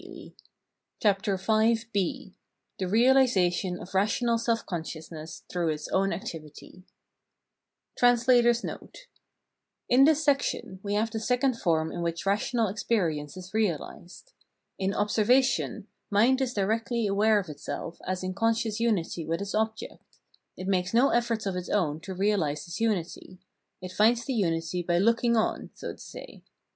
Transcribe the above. —Z B The Realisation of Eational Self Consciousness Through Its Own Activity [In this section we have the second form in which rational experience is realised. In " observation " mind is directly aware of itself aa in con scious unity with its object : it makes no effort of its own to realise this unity : it finds the unity by looking on, so to say.